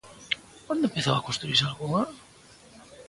¿Onde empezou a construírse algunha?